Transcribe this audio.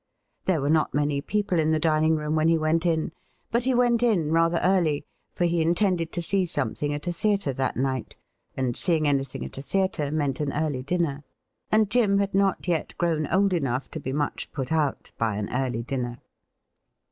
There were not many people in the dining room when he went in ; but he went in rather early, for he intended to see something at a theatre that night, and seeing anything at a theatre meant an early dinner ; and Jim had not yet grown old enough to be much put out by an early dinner.